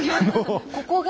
「ここが？」。